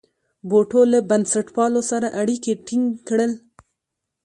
بوټو له بنسټپالو سره اړیکي ټینګ کړل.